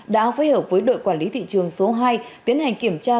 đã phối hợp với đội quản lý thị trường số hai tiến hành kiểm tra